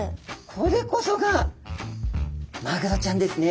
これこそがマグロちゃんですね。